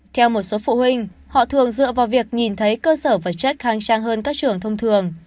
theo một số phụ huynh họ thường dựa vào việc nhìn thấy cơ sở vật chất khang trang hơn các trường thông thường